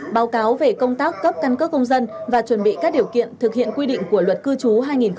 báo cáo về công tác cấp căn cấp công dân và chuẩn bị các điều kiện thực hiện quy định của luật cư chú hai nghìn hai mươi